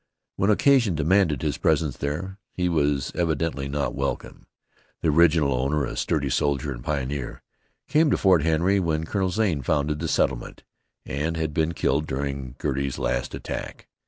When occasion demanded his presence there, he was evidently not welcome. The original owner, a sturdy soldier and pioneer, came to Fort Henry when Colonel Zane founded the settlement, and had been killed during Girty's last attack.